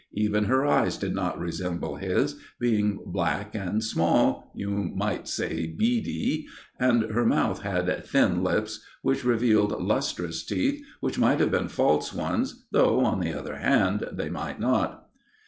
Even her eyes did not resemble his, being black and small you might say beady and her mouth had thin lips, which revealed lustrous teeth, which might have been false ones, though, on the other hand, they might not.